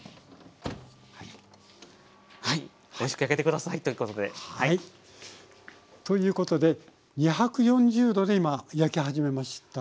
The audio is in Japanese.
はいおいしく焼けて下さいということで。ということで２４０℃で今焼き始めましたが。